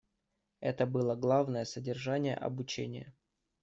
Это было главное содержание обучения.